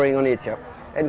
yang dikeluarkan di dalamnya